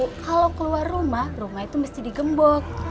kalau keluar rumah rumah itu mesti digembok